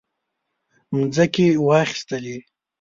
مځکې واخیستلې.